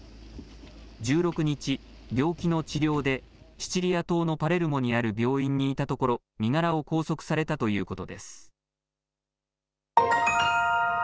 １６日、病気の治療でシチリア島のパレルモにある病院にいたところ身柄を拘束されたということです。